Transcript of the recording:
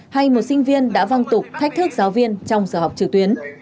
hay một sinh viên đã văng tục thách thức giáo viên trong giờ học trực tuyến